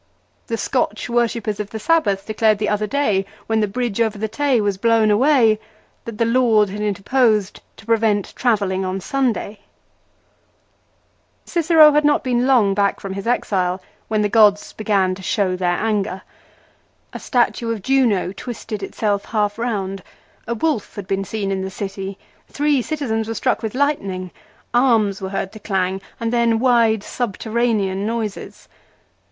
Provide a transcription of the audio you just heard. The Scotch worshippers of the Sabbath declared the other day, when the bridge over the Tay was blown away, that the Lord had interposed to prevent travelling on Sunday ! Cicero had not been long back from his exile when the gods began to show their anger. A statue of Juno twisted itself half round ; a wolf had been seen in the city ; three citizens were struck with lightning; arms were heard to clang, and then wide subterranean noises.